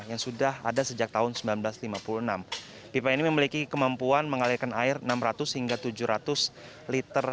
yang sudah ada sejak tahun seribu sembilan ratus lima puluh enam pipa ini memiliki kemampuan mengalirkan air enam ratus hingga tujuh ratus liter